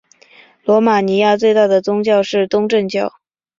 罗马尼亚最大的宗教是东正教。